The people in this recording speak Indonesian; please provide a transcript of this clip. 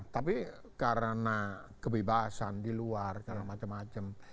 tapi karena kebebasan di luar karena macam macam